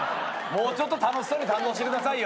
もうちょっと楽しそうに堪能してくださいよ。